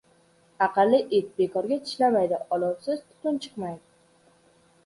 • Aqlli it bekorga tishlamaydi, olovsiz tutun chiqmaydi.